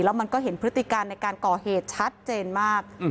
แล้วมันก็เห็นพฤติการในการก่อเหตุชัดเจนมาก